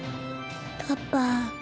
パパ。